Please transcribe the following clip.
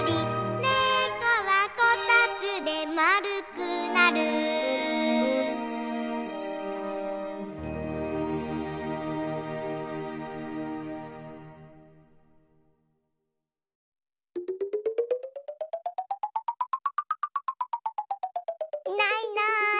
「ねこはこたつでまるくなる」いないいない。